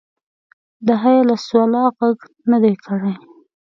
د حی علی الصلواه غږ نه دی کړی.